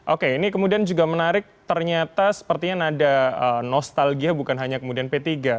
oke ini kemudian juga menarik ternyata sepertinya nada nostalgia bukan hanya kemudian p tiga